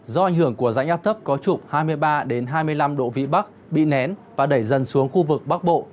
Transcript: do ảnh hưởng của rãnh áp thấp có trục hai mươi ba hai mươi năm độ vị bắc bị nén và đẩy dần xuống khu vực bắc bộ